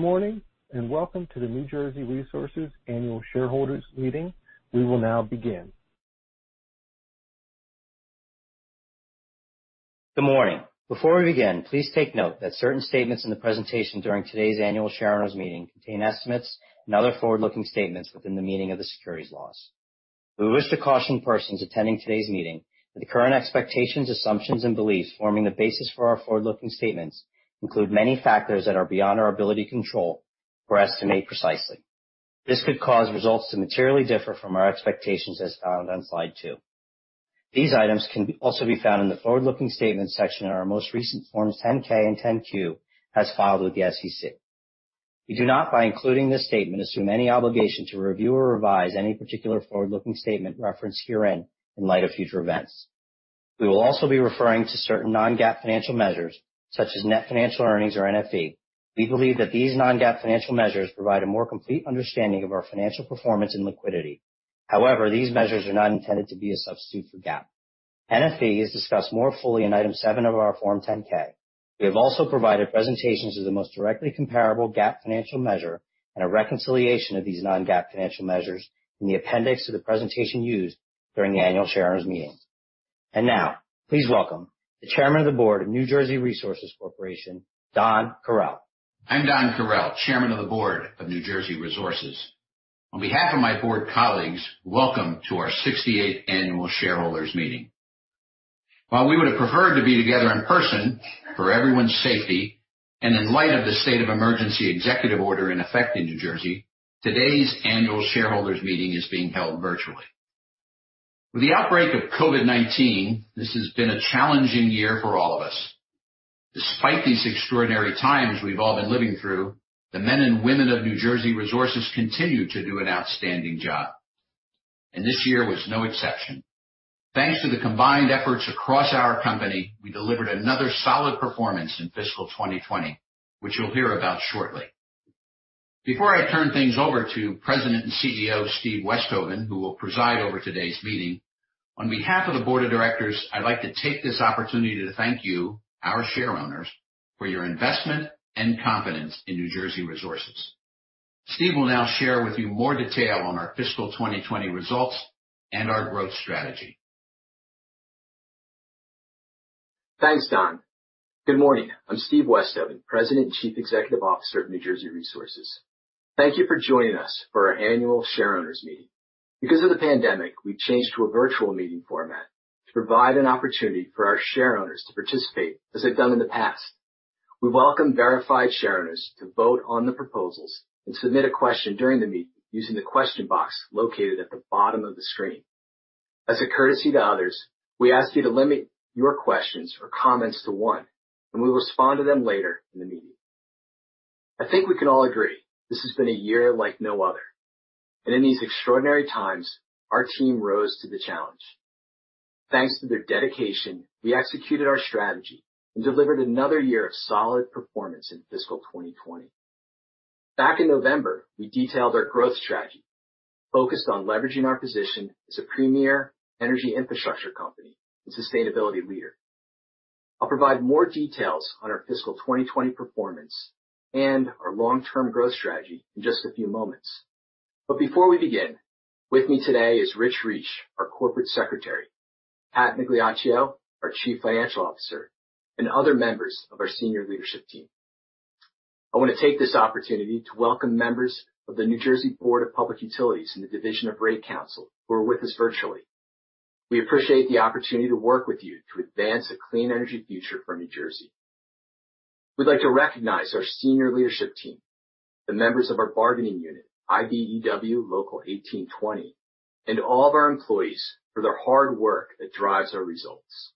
Morning, and welcome to the New Jersey Resources Annual Shareholders Meeting. We will now begin. Good morning. Before we begin, please take note that certain statements in the presentation during today's Annual Shareholders Meeting contain estimates and other forward-looking statements within the meaning of the securities laws. We wish to caution persons attending today's meeting that the current expectations, assumptions, and beliefs forming the basis for our forward-looking statements include many factors that are beyond our ability to control or estimate precisely. This could cause results to materially differ from our expectations as found on slide two. These items can also be found in the forward-looking statements section in our most recent Forms 10-K and 10-Q as filed with the SEC. We do not, by including this statement, assume any obligation to review or revise any particular forward-looking statement referenced herein in light of future events. We will also be referring to certain non-GAAP financial measures, such as Net Financial Earnings, or NFE. We believe that these non-GAAP financial measures provide a more complete understanding of our financial performance and liquidity. However, these measures are not intended to be a substitute for GAAP. NFE is discussed more fully in item seven of our Form 10-K. We have also provided presentations of the most directly comparable GAAP financial measure and a reconciliation of these non-GAAP financial measures in the appendix of the presentation used during the Annual Shareholders Meeting. Now, please welcome the Chairman of the Board of New Jersey Resources Corporation, Don Correll. I'm Don Correll, Chairman of the Board of New Jersey Resources. On behalf of my board colleagues, welcome to our 68th Annual Shareholders Meeting. While we would have preferred to be together in person, for everyone's safety, and in light of the state of emergency executive order in effect in New Jersey, today's Annual Shareholders Meeting is being held virtually. With the outbreak of COVID-19, this has been a challenging year for all of us. Despite these extraordinary times we've all been living through, the men and women of New Jersey Resources continue to do an outstanding job, and this year was no exception. Thanks to the combined efforts across our company, we delivered another solid performance in fiscal 2020, which you'll hear about shortly. Before I turn things over to President and CEO Steve Westhoven, who will preside over today's meeting, on behalf of the Board of Directors, I'd like to take this opportunity to thank you, our shareowners, for your investment and confidence in New Jersey Resources. Steve will now share with you more detail on our fiscal 2020 results and our growth strategy. Thanks, Don. Good morning. I'm Steve Westhoven, President and Chief Executive Officer of New Jersey Resources. Thank you for joining us for our Annual Shareowners Meeting. Because of the pandemic, we've changed to a virtual meeting format to provide an opportunity for our shareowners to participate as they've done in the past. We welcome verified shareowners to vote on the proposals and submit a question during the meeting using the question box located at the bottom of the screen. As a courtesy to others, we ask you to limit your questions or comments to one, and we will respond to them later in the meeting. I think we can all agree this has been a year like no other, and in these extraordinary times, our team rose to the challenge. Thanks to their dedication, we executed our strategy and delivered another year of solid performance in fiscal 2020. Back in November, we detailed our growth strategy focused on leveraging our position as a premier energy infrastructure company and sustainability leader. I'll provide more details on our fiscal 2020 performance and our long-term growth strategy in just a few moments. Before we begin, with me today is Rich Reich, our Corporate Secretary, Pat Migliaccio, our Chief Financial Officer, and other members of our senior leadership team. I want to take this opportunity to welcome members of the New Jersey Board of Public Utilities and the Division of Rate Counsel who are with us virtually. We appreciate the opportunity to work with you to advance a clean energy future for New Jersey. We'd like to recognize our senior leadership team, the members of our bargaining unit, IBEW Local 1820, and all of our employees for their hard work that drives our results.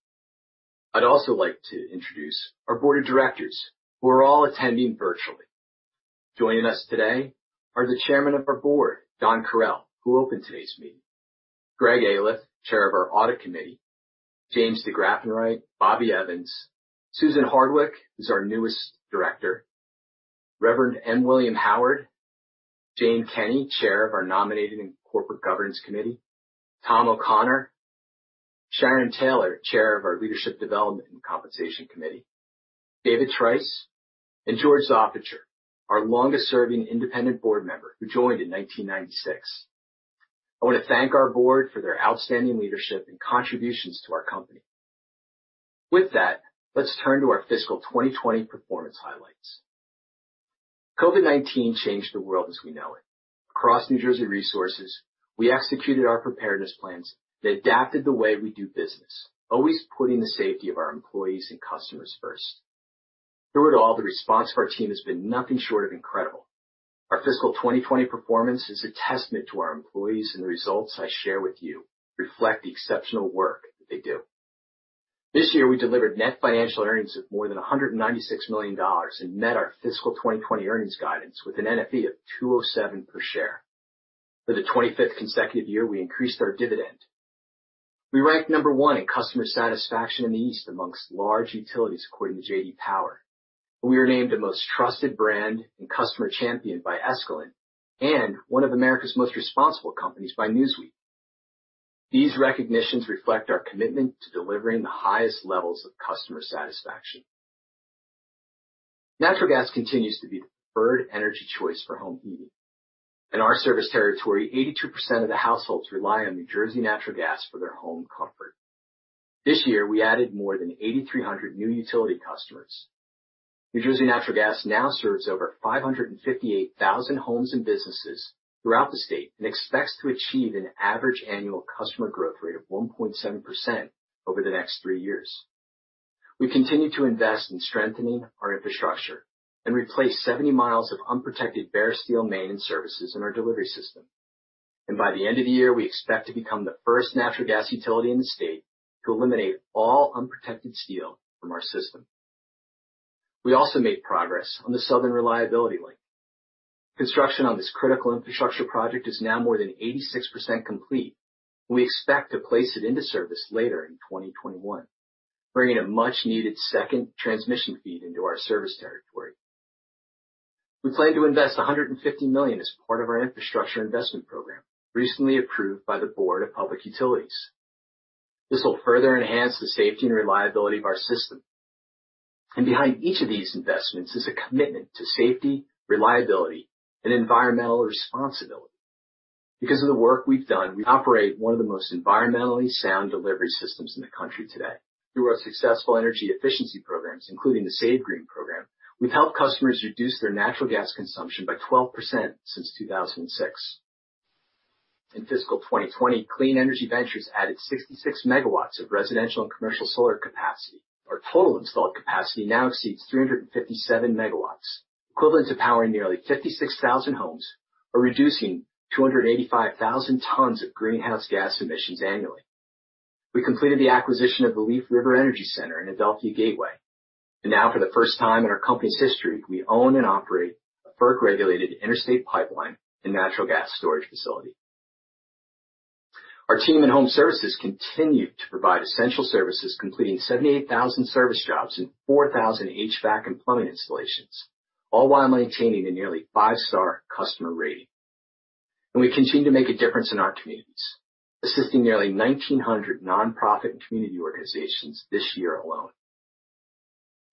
I'd also like to introduce our Board of Directors, who are all attending virtually. Joining us today are the Chairman of our Board, Don Correll, who opened today's meeting, Greg Aliff, Chair of our Audit Committee, James DeGraffenreidt, Bobby Evans, Susan Hardwick, who's our newest Director, Reverend M. William Howard, Jane Kenny, Chair of our Nominating and Corporate Governance Committee, Tom O'Connor, Sharon Taylor, Chair of our Leadership Development and Compensation Committee, David Trice, and George Zoffinger, our longest-serving independent board member who joined in 1996. I want to thank our Board for their outstanding leadership and contributions to our company. With that, let's turn to our fiscal 2020 performance highlights. COVID-19 changed the world as we know it. Across New Jersey Resources, we executed our preparedness plans and adapted the way we do business, always putting the safety of our employees and customers first. Through it all, the response of our team has been nothing short of incredible. Our fiscal 2020 performance is a testament to our employees, and the results I share with you reflect the exceptional work that they do. This year, we delivered net financial earnings of more than $196 million and met our fiscal 2020 earnings guidance with an NFE of $2.07 per share. For the 25th consecutive year, we increased our dividend. We ranked number one in customer satisfaction in the East amongst large utilities, according to J.D. Power. We were named the most trusted brand and customer champion by Escalent and one of America's most responsible companies by Newsweek. These recognitions reflect our commitment to delivering the highest levels of customer satisfaction. Natural gas continues to be the preferred energy choice for home heating. In our service territory, 82% of the households rely on New Jersey Natural Gas for their home comfort. This year, we added more than 8,300 new utility customers. New Jersey Natural Gas now serves over 558,000 homes and businesses throughout the state and expects to achieve an average annual customer growth rate of 1.7% over the next three years. We continue to invest in strengthening our infrastructure and replace 70 mi of unprotected bare steel main and services in our delivery system. By the end of the year, we expect to become the first natural gas utility in the state to eliminate all unprotected steel from our system. We also made progress on the Southern Reliability Link. Construction on this critical infrastructure project is now more than 86% complete. We expect to place it into service later in 2021, bringing a much-needed second transmission feed into our service territory. We plan to invest $150 million as part of our infrastructure investment program, recently approved by the Board of Public Utilities. This will further enhance the safety and reliability of our system. Behind each of these investments is a commitment to safety, reliability, and environmental responsibility. Because of the work we've done, we operate one of the most environmentally sound delivery systems in the country today. Through our successful energy efficiency programs, including the SAVEGREEN® Program, we've helped customers reduce their natural gas consumption by 12% since 2006. In fiscal 2020, Clean Energy Ventures added 66 MW of residential and commercial solar capacity. Our total installed capacity now exceeds 357 MWs, equivalent to powering nearly 56,000 homes or reducing 285,000 tons of greenhouse gas emissions annually. Now for the first time in our company's history, we own and operate a FERC-regulated interstate pipeline and natural gas storage facility. Our team in Home Services continued to provide essential services, completing 78,000 service jobs and 4,000 HVAC and plumbing installations, all while maintaining a nearly five-star customer rating. We continue to make a difference in our communities, assisting nearly 1,900 nonprofit and community organizations this year alone.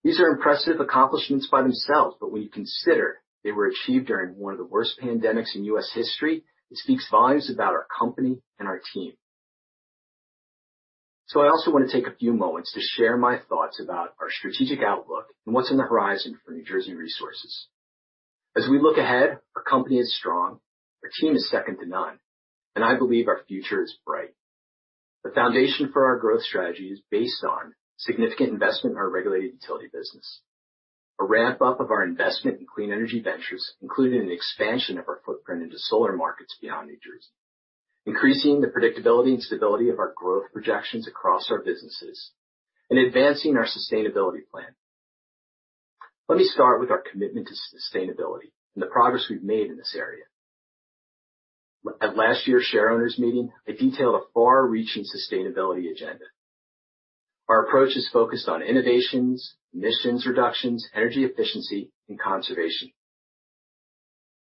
These are impressive accomplishments by themselves, but when you consider they were achieved during one of the worst pandemics in U.S. history, it speaks volumes about our company and our team. I also want to take a few moments to share my thoughts about our strategic outlook and what's on the horizon for New Jersey Resources. As we look ahead, our company is strong, our team is second to none, and I believe our future is bright. The foundation for our growth strategy is based on significant investment in our regulated utility business, a ramp-up of our investment in Clean Energy Ventures, including an expansion of our footprint into solar markets beyond New Jersey, increasing the predictability and stability of our growth projections across our businesses, and advancing our sustainability plan. Let me start with our commitment to sustainability and the progress we've made in this area. At last year's Shareowners Meeting, I detailed a far-reaching sustainability agenda. Our approach is focused on innovations, emissions reductions, energy efficiency, and conservation.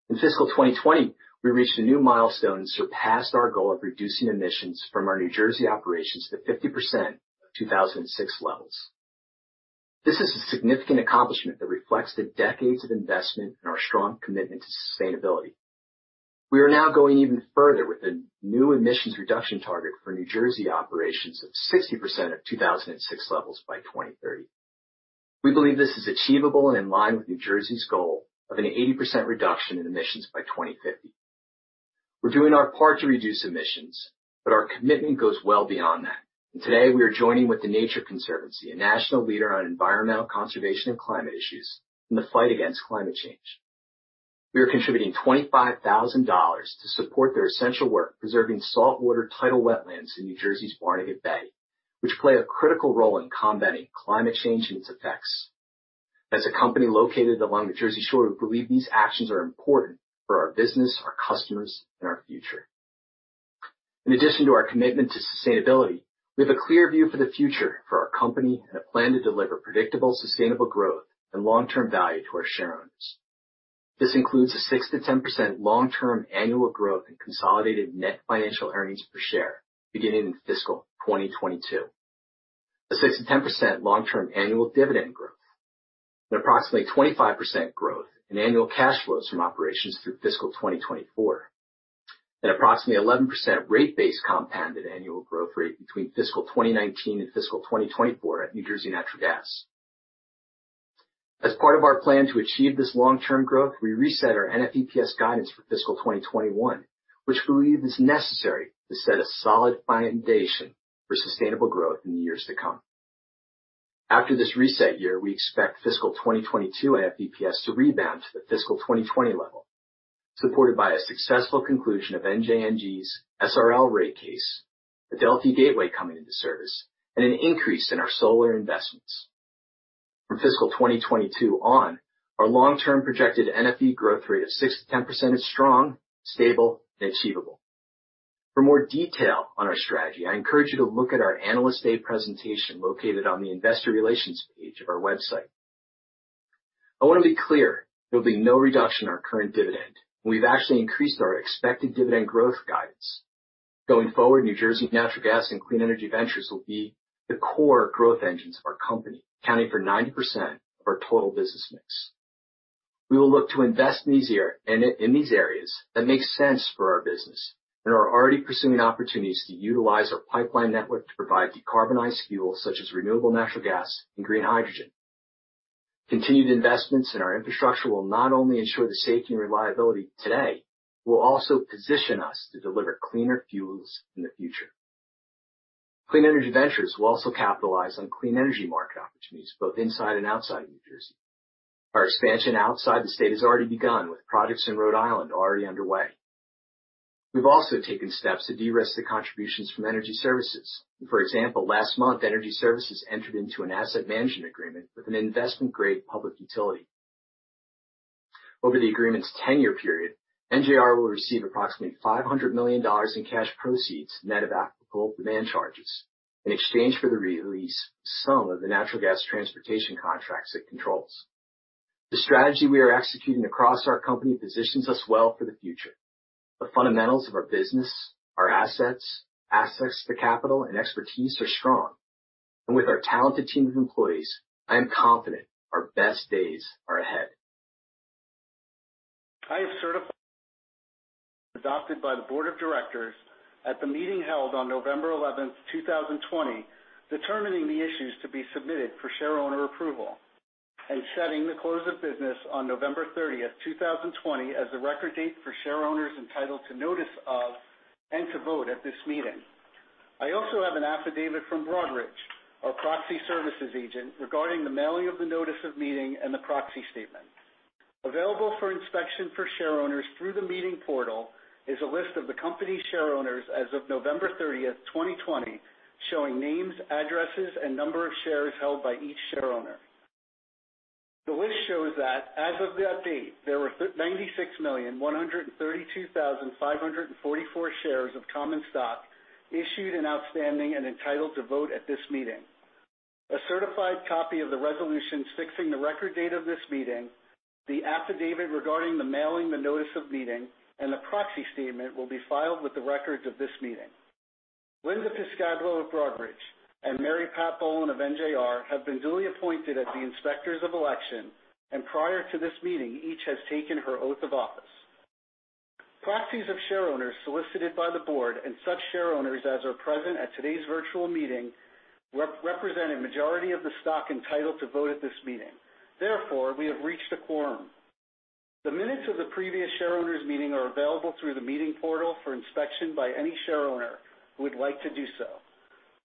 In fiscal 2020, we reached a new milestone and surpassed our goal of reducing emissions from our New Jersey operations to 50% of 2006 levels. This is a significant accomplishment that reflects the decades of investment and our strong commitment to sustainability. We are now going even further with a new emissions reduction target for New Jersey operations of 60% of 2006 levels by 2030. We believe this is achievable and in line with New Jersey's goal of an 80% reduction in emissions by 2050. We're doing our part to reduce emissions, but our commitment goes well beyond that. Today, we are joining with The Nature Conservancy, a national leader on environmental conservation and climate issues in the fight against climate change. We are contributing $25,000 to support their essential work preserving saltwater tidal wetlands in New Jersey's Barnegat Bay, which play a critical role in combating climate change and its effects. As a company located along the Jersey Shore, we believe these actions are important for our business, our customers, and our future. In addition to our commitment to sustainability, we have a clear view for the future for our company and a plan to deliver predictable, sustainable growth and long-term value to our shareowners. This includes a 6%-10% long-term annual growth in consolidated Net Financial Earnings per share beginning in fiscal 2022, a 6%-10% long-term annual dividend growth, an approximately 25% growth in annual cash flows from operations through fiscal 2024, an approximately 11% rate base compounded annual growth rate between fiscal 2019 and fiscal 2024 at New Jersey Natural Gas. As part of our plan to achieve this long-term growth, we reset our NFEPS guidance for fiscal 2021, which we believe is necessary to set a solid foundation for sustainable growth in the years to come. After this reset year, we expect fiscal 2022 NFEPS to rebound to the fiscal 2020 level, supported by a successful conclusion of NJNG's SRL rate case, Adelphia Gateway coming into service, and an increase in our solar investments. From fiscal 2022 on, our long-term projected NFE growth rate of 6%-10% is strong, stable, and achievable. For more detail on our strategy, I encourage you to look at our Analyst Day presentation located on the Investor Relations page of our website. I want to be clear, there'll be no reduction in our current dividend. We've actually increased our expected dividend growth guidance. Going forward, New Jersey Natural Gas and Clean Energy Ventures will be the core growth engines of our company, accounting for 90% of our total business mix. We will look to invest in these areas that make sense for our business and are already pursuing opportunities to utilize our pipeline network to provide decarbonized fuels such as renewable natural gas and green hydrogen. Continued investments in our infrastructure will not only ensure the safety and reliability today, but will also position us to deliver cleaner fuels in the future. Clean Energy Ventures will also capitalize on clean energy market opportunities both inside and outside of New Jersey. Our expansion outside the state has already begun, with projects in Rhode Island already underway. We've also taken steps to de-risk the contributions from Energy Services. For example, last month, Energy Services entered into an asset management agreement with an investment-grade public utility. Over the agreement's 10-year period, NJR will receive approximately $500 million in cash proceeds net of applicable demand charges in exchange for the release of some of the natural gas transportation contracts it controls. The strategy we are executing across our company positions us well for the future. The fundamentals of our business, our assets, access to capital, and expertise are strong. With our talented team of employees, I am confident our best days are ahead. I have certified adopted by the Board of Directors at the meeting held on November 11th, 2020, determining the issues to be submitted for shareowner approval and setting the close of business on November 30th, 2020, as the record date for shareowners entitled to notice of and to vote at this meeting. I also have an affidavit from Broadridge, our proxy services agent, regarding the mailing of the notice of meeting and the proxy statement. Available for inspection for shareowners through the meeting portal is a list of the company shareowners as of November 30th, 2020, showing names, addresses, and number of shares held by each shareowner. The list shows that as of that date, there were 96,132,544 shares of common stock issued and outstanding and entitled to vote at this meeting. A certified copy of the resolution fixing the record date of this meeting, the affidavit regarding the mailing the notice of meeting, and the proxy statement will be filed with the records of this meeting. Linda Piscopo of Broadridge and Mary Pat Bowen of NJR have been duly appointed as the inspectors of election, and prior to this meeting, each has taken her oath of office. Proxies of shareowners solicited by the board and such shareowners as are present at today's virtual meeting represent a majority of the stock entitled to vote at this meeting. Therefore, we have reached a quorum. The minutes of the previous shareowners meeting are available through the meeting portal for inspection by any shareowner who would like to do so.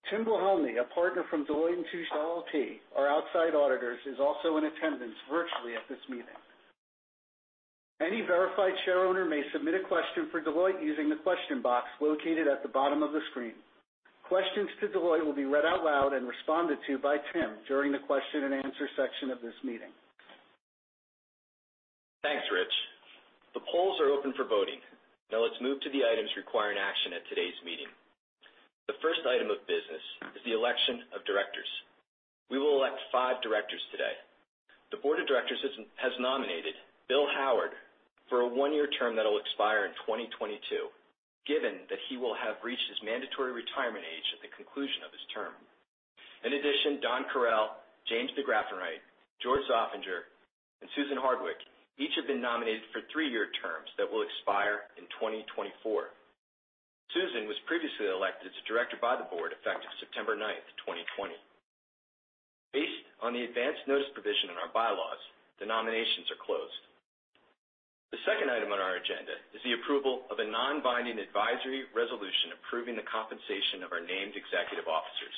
Tim Wilhelmy, a partner from Deloitte & Touche LLP, our outside auditors, is also in attendance virtually at this meeting. Any verified shareowner may submit a question for Deloitte using the question box located at the bottom of the screen. Questions to Deloitte will be read out loud and responded to by Tim during the question and answer section of this meeting. Thanks, Rich. The polls are open for voting. Now let's move to the items requiring action at today's meeting. The first item of business is the election of directors. We will elect five directors today. The Board of Directors has nominated Bill Howard for a one-year term that will expire in 2022, given that he will have reached his mandatory retirement age at the conclusion of his term. In addition, Don Correll, James DeGraffenreidt, George Zoffinger, and Susan Hardwick each have been nominated for three-year terms that will expire in 2024. Susan was previously elected as a director by the board effective September 9th, 2020. Based on the advanced notice provision in our bylaws, the nominations are closed. The second item on our agenda is the approval of a non-binding advisory resolution approving the compensation of our named executive officers.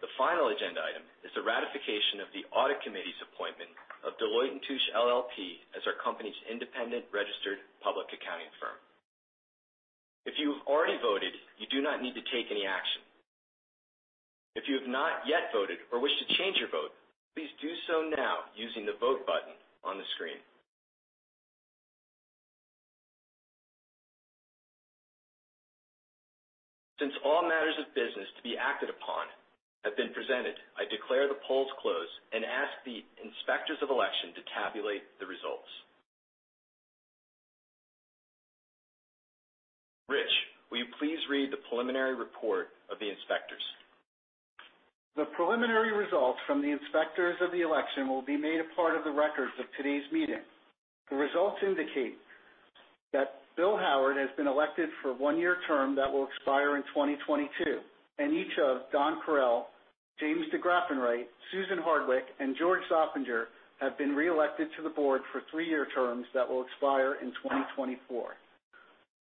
The final agenda item is the ratification of the audit committee's appointment of Deloitte & Touche LLP as our company's independent registered public accounting firm. If you have already voted, you do not need to take any action. If you have not yet voted or wish to change your vote, please do so now using the Vote button on the screen. Since all matters of business to be acted upon have been presented, I declare the polls closed and ask the Inspectors of Election to tabulate the results. Rich, will you please read the preliminary report of the inspectors? The preliminary results from the inspectors of the election will be made a part of the records of today's meeting. The results indicate that Bill Howard has been elected for a one-year term that will expire in 2022, and each of Don Correll, James DeGraffenreidt, Susan Hardwick, and George Zoffinger have been reelected to the board for three-year terms that will expire in 2024.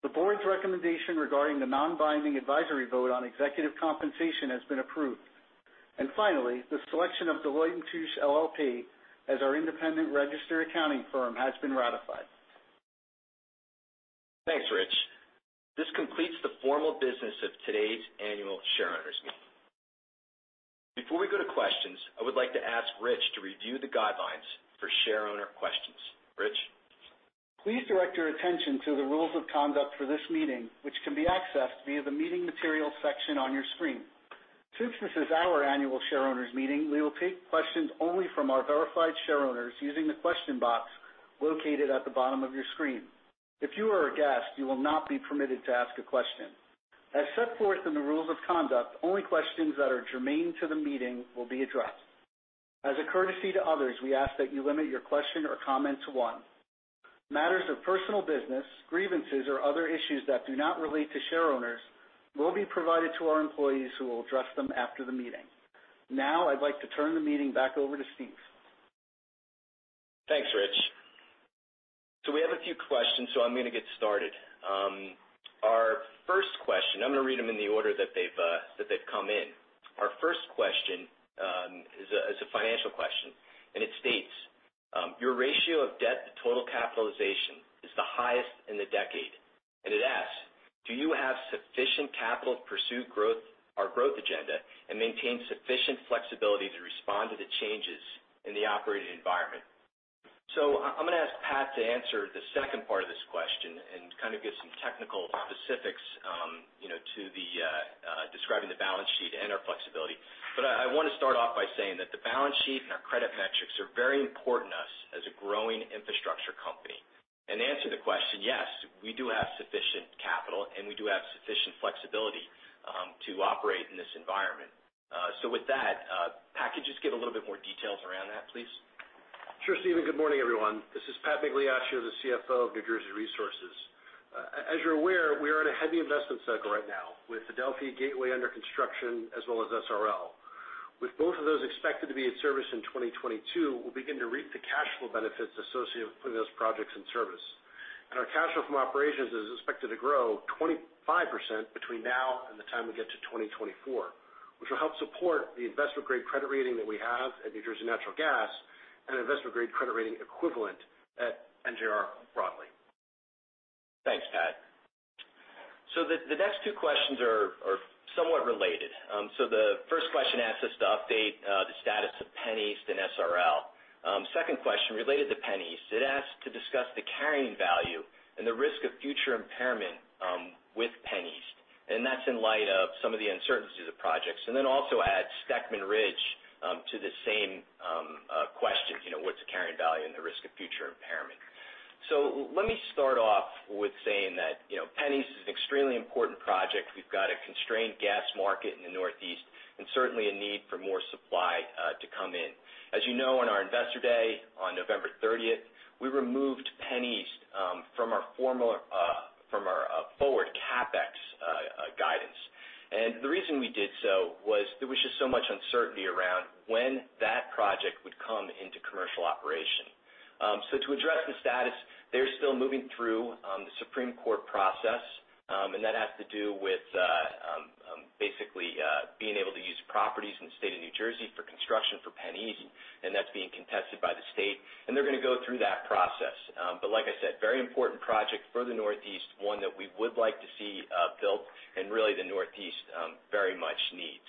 The board's recommendation regarding the non-binding advisory vote on executive compensation has been approved. Finally, the selection of Deloitte & Touche LLP as our independent registered accounting firm has been ratified. Thanks, Rich. This completes the formal business of today's Annual Shareowners Meeting. Before we go to questions, I would like to ask Rich to review the guidelines. Please direct your attention to the rules of conduct for this meeting, which can be accessed via the meeting materials section on your screen. Since this is our Annual Shareowners Meeting, we will take questions only from our verified shareowners using the question box located at the bottom of your screen. If you are a guest, you will not be permitted to ask a question. As set forth in the rules of conduct, only questions that are germane to the meeting will be addressed. As a courtesy to others, we ask that you limit your question or comment to one. Matters of personal business, grievances, or other issues that do not relate to shareowners will be provided to our employees, who will address them after the meeting. Now I'd like to turn the meeting back over to Steve. Thanks, Rich. We have a few questions, so I'm going to get started. Our first question, I'm going to read them in the order that they've come in. Our first question is a financial question, and it states, "Your ratio of debt to total capitalization is the highest in the decade." It asks, "Do you have sufficient capital to pursue our growth agenda and maintain sufficient flexibility to respond to the changes in the operating environment?" I'm going to ask Pat to answer the second part of this question and kind of give some technical specifics describing the balance sheet and our flexibility. I want to start off by saying that the balance sheet and our credit metrics are very important to us as a growing infrastructure company. To answer the question, yes, we do have sufficient capital, and we do have sufficient flexibility to operate in this environment. With that, Pat, could you just give a little bit more details around that, please? Sure, Steve. Good morning, everyone. This is Pat Migliaccio, the CFO of New Jersey Resources. As you're aware, we are in a heavy investment cycle right now with Adelphia Gateway under construction, as well as SRL. With both of those expected to be in service in 2022, we'll begin to reap the cash flow benefits associated with putting those projects in service. Our cash flow from operations is expected to grow 25% between now and the time we get to 2024, which will help support the investment-grade credit rating that we have at New Jersey Natural Gas and an investment-grade credit rating equivalent at NJR broadly. Thanks, Pat. The next two questions are somewhat related. The first question asks us to update the status of PennEast and SRL. Second question, related to PennEast, it asks to discuss the carrying value and the risk of future impairment with PennEast, and that's in light of some of the uncertainties of projects, and then also adds Steckman Ridge to the same question. What's the carrying value and the risk of future impairment? Let me start off with saying that PennEast is an extremely important project. We've got a constrained gas market in the Northeast and certainly a need for more supply to come in. As you know, on our Investor Day on November 30th, we removed PennEast from our forward CapEx guidance. The reason we did so was there was just so much uncertainty around when that project would come into commercial operation. To address the status, they're still moving through the Supreme Court process, and that has to do with basically being able to use properties in the state of New Jersey for construction for PennEast, and that's being contested by the state. They're going to go through that process. Like I said, very important project for the Northeast, one that we would like to see built and really the Northeast very much needs.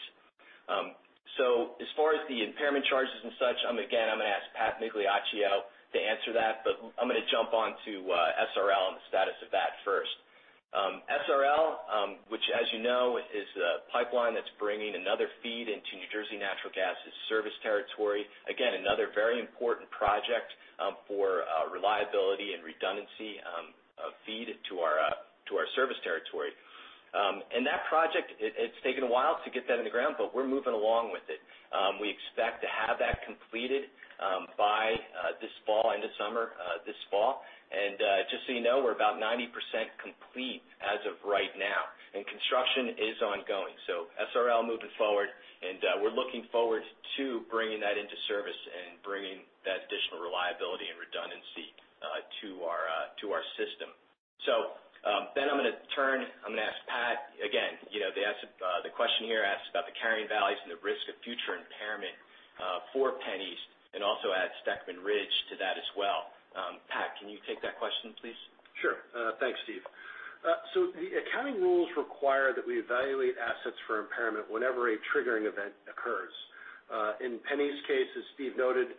As far as the impairment charges and such, again, I'm going to ask Pat Migliaccio to answer that, but I'm going to jump onto SRL and the status of that first. SRL, which as you know, is a pipeline that's bringing another feed into New Jersey Natural Gas's service territory. Again, another very important project for reliability and redundancy of feed to our service territory. That project, it's taken a while to get that in the ground, but we're moving along with it. We expect to have that completed by this fall, end of summer, this fall. Just so you know, we're about 90% complete as of right now. Construction is ongoing. SRL moving forward, and we're looking forward to bringing that into service and bringing that additional reliability and redundancy to our system. I'm going to turn, I'm going to ask Pat again. The question here asks about the carrying values and the risk of future impairment for PennEast, and also adds Steckman Ridge to that as well. Pat, can you take that question, please? Sure. Thanks, Steve. The accounting rules require that we evaluate assets for impairment whenever a triggering event occurs. In PennEast's case, as Steve noted,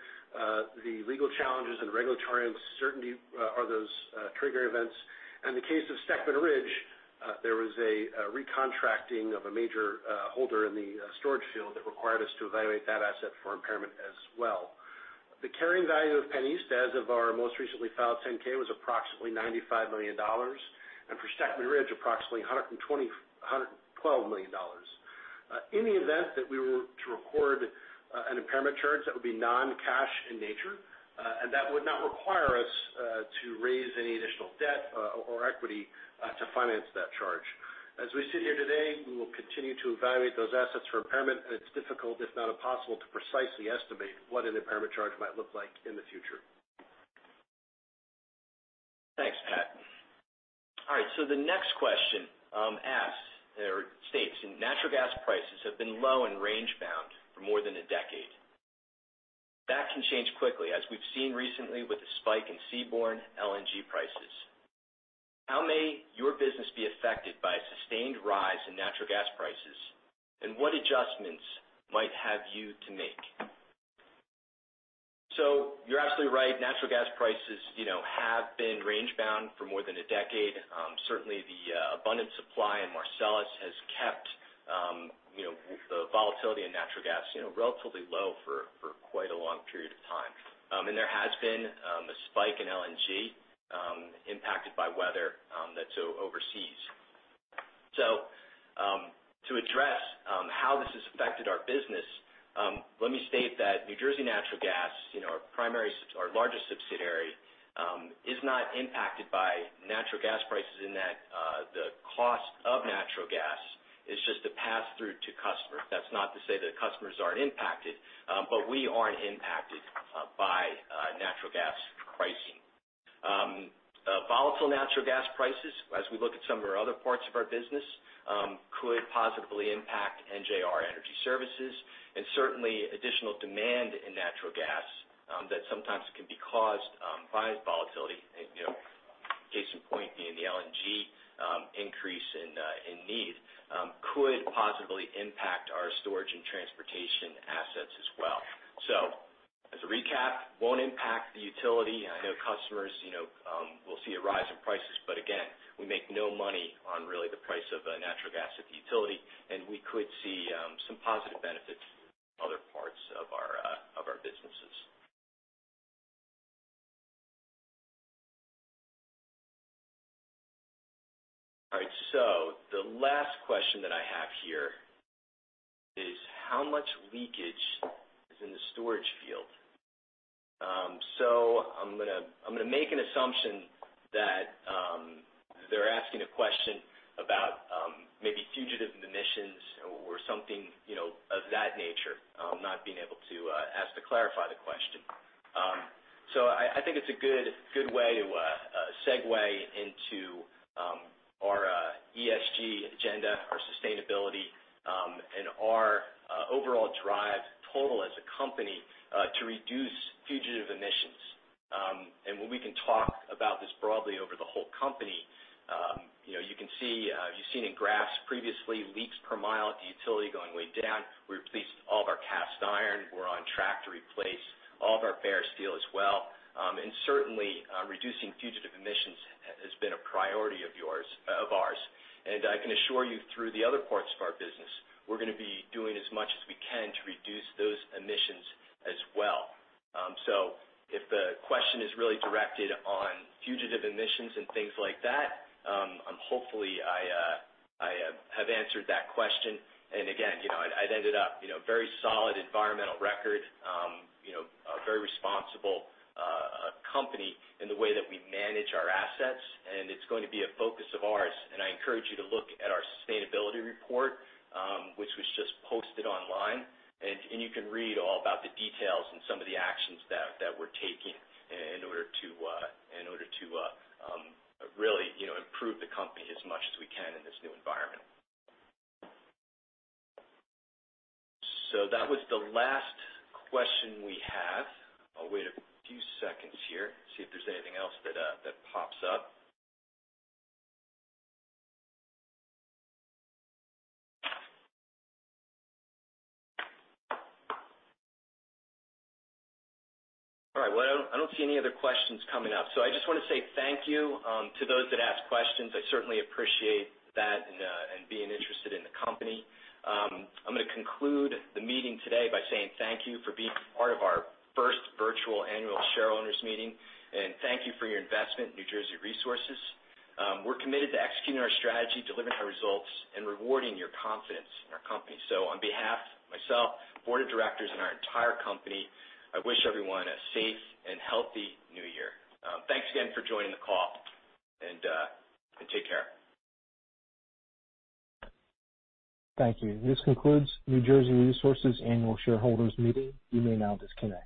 the legal challenges and regulatory uncertainty are those trigger events. In the case of Steckman Ridge, there was a recontracting of a major holder in the storage field that required us to evaluate that asset for impairment as well. The carrying value of PennEast as of our most recently filed 10-K was approximately $95 million. For Steckman Ridge, approximately $112 million. In the event that we were to record an impairment charge, that would be non-cash in nature, and that would not require us to raise any additional debt or equity to finance that charge. As we sit here today, we will continue to evaluate those assets for impairment, and it's difficult, if not impossible, to precisely estimate what an impairment charge might look like in the future. Thanks, Pat. All right, the next question asks or states, "Natural gas prices have been low and range-bound for more than a decade. That can change quickly, as we've seen recently with the spike in seaborne LNG prices." How may your business be affected by a sustained rise in natural gas prices, and what adjustments might have you to make? You're absolutely right. Natural gas prices have been range-bound for more than a decade. Certainly, the abundant supply in Marcellus has kept the volatility in natural gas relatively low for quite a long period of time. There has been a spike in LNG impacted by weather that's overseas. To address how this has affected our business, let me state that New Jersey Natural Gas, our largest subsidiary, is not impacted by natural gas prices in that the cost of natural gas is just a pass-through to customers. That's not to say that customers aren't impacted, but we aren't impacted by natural gas pricing. Volatile natural gas prices, as we look at some of our other parts of our business, could positively impact NJR Energy Services, and certainly additional demand in natural gas that sometimes can be caused by volatility, case in point being the LNG increase in need, could positively impact our storage and transportation assets as well. As a recap, won't impact the utility. I know customers will see a rise in prices, but again, we make no money on really the price of natural gas utility, and we could see some positive benefits in other parts of our businesses. All right. The last question that I have here is how much leakage is in the storage field? I'm going to make an assumption that they're asking a question about maybe fugitive emissions or something of that nature, not being able to ask to clarify the question. I think it's a good way to segue into our ESG agenda, our sustainability, and our overall drive total as a company to reduce fugitive emissions. When we can talk about this broadly over the whole company, you've seen in graphs previously, leaks per mile at the utility going way down. We replaced all of our cast iron. We're on track to replace all of our bare steel as well. Certainly, reducing fugitive emissions has been a priority of ours. I can assure you through the other parts of our business, we're going to be doing as much as we can to reduce those emissions as well. If the question is really directed on fugitive emissions and things like that, hopefully I have answered that question. Again, I'd ended up very solid environmental record, a very responsible company in the way that we manage our assets, and it's going to be a focus of ours. I encourage you to look at our sustainability report, which was just posted online. You can read all about the details and some of the actions that we're taking in order to really improve the company as much as we can in this new environment. That was the last question we have. I'll wait a few seconds here to see if there's anything else that pops up. All right. I don't see any other questions coming up. I just want to say thank you to those that asked questions. I certainly appreciate that and being interested in the company. I'm going to conclude the meeting today by saying thank you for being part of our first virtual annual shareholders meeting, and thank you for your investment in New Jersey Resources. We're committed to executing our strategy, delivering our results, and rewarding your confidence in our company. On behalf of myself, Board of Directors, and our entire company, I wish everyone a safe and healthy new year. Thanks again for joining the call, and take care. Thank you. This concludes New Jersey Resources' Annual Shareholders Meeting. You may now disconnect.